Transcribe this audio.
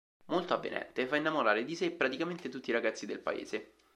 Molto avvenente, fa innamorare di sé praticamente tutti i ragazzi del paese.